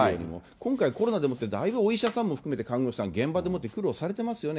今回、コロナでもってだいぶお医者さんも含めて、看護師さん、現場でもって苦労されてますよね。